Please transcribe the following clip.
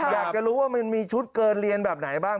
อยากจะรู้ว่ามันมีชุดเกินเรียนแบบไหนบ้าง